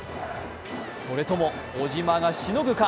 それとも小島がしのぐか？